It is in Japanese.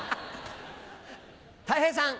たい平さん。